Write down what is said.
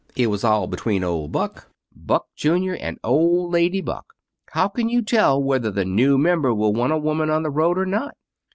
It was all between old Buck, Buck junior, and old lady Buck. How can you tell whether the new member will want a woman on the road, or not?"